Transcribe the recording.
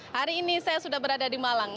hari ini saya sudah berada di malang